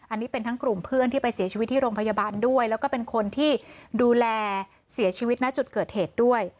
อันนี้เป็นทั้งกลุ่มเพื่อนที่ไปเสียชีวิตที่โรงพยาบาลด้วยแล้วก็เป็นคนที่ดูแลเสียชีวิตณจุดเกิดเหตุด้วย